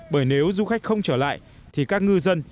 bởi nếu du khách không trở lại thì các ngư dân